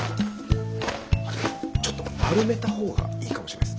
ちょっと丸めたほうがいいかもしれないです。